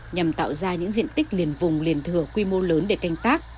nhằm tạo ra những diện tích liền vùng liền thừa quy mô lớn để canh tác